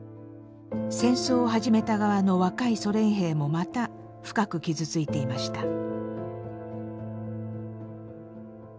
戦争を始めた側の若いソ連兵もまた深く傷ついていました。